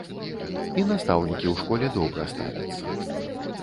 І настаўнікі ў школе добра ставяцца.